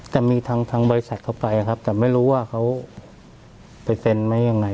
แต่มีทางบริษัทเข้าไปครับแต่ไม่รู้ว่าเขาไปเซ็นไหมยังไง